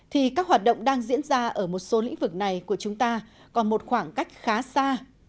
thì các hoạt động đang diễn ra ở một số lĩnh vực này của chúng ta còn một khoảng cách khá xa